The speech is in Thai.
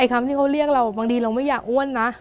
คำที่เขาเรียกเราบางทีเราไม่อยากอ้วนนะ